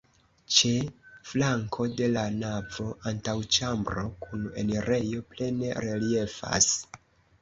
Ĉe flanko de la navo antaŭĉambro kun enirejo plene reliefas.